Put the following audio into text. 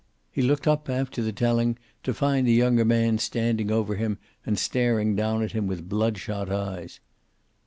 He looked up, after the telling, to find the younger man standing over him and staring down at him with blood shot eyes.